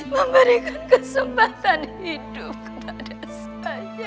memberikan kesempatan hidup pada saya